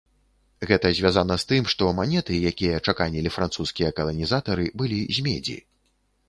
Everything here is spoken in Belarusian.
Гэта звязана з тым, што манеты, якія чаканілі французскія каланізатары, былі з медзі.